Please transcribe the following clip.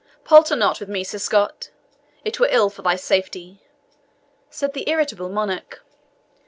"Palter not with me, Sir Scot it were ill for thy safety," said the irritable monarch.